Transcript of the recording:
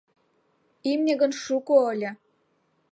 Имне гын шуко ыле.